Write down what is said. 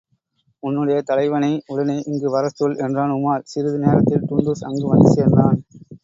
உன்னுடைய தலைவனை உடனே இங்கு வரச்சொல் என்றான் உமார், சிறிது நேரத்தில் டுன்டுஷ் அங்கு வந்து சேர்ந்தான்.